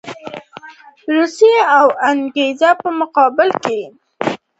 د روسیې او انګرېز په مقابل کې.